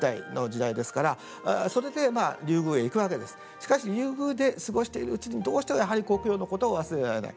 しかし竜宮で過ごしているうちにどうしてもやはり故郷のことを忘れられない。